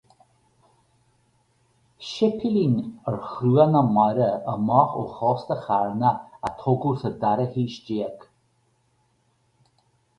Séipéilín ar Chruach na Mara amach ó chósta Charna a tógadh sa dara haois déag.